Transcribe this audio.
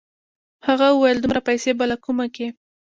هغه وويل دومره پيسې به له کومه کې.